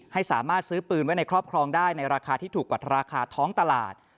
ให้สามารถซื้อปืนไว้ในครอบครองได้ในราคาที่ถูกกว่าราคาท้องตลาด